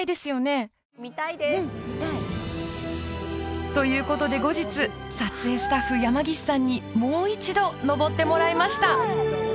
うん見たい！ということで後日撮影スタッフ山岸さんにもう一度登ってもらいました！